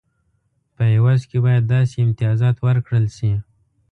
په عوض کې باید داسې امتیازات ورکړل شي.